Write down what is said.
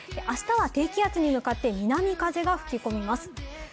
明日は低気圧に向かって南風が吹き込みます。